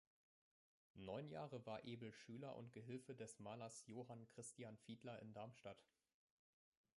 Neun Jahre war Ebel Schüler und Gehilfe des Malers Johann Christian Fiedler in Darmstadt.